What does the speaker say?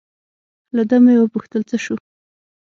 له ده مې و پوښتل: څه شو؟